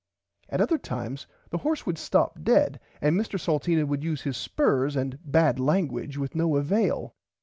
At other times the horse would stop dead and Mr Salteena would use his spurs and bad languige with no avail.